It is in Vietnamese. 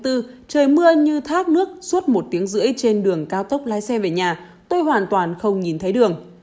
trời mưa như thác nước suốt một tiếng rưỡi trên đường cao tốc lái xe về nhà tôi hoàn toàn không nhìn thấy đường